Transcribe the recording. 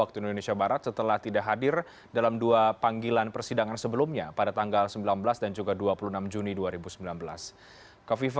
terima kasih pak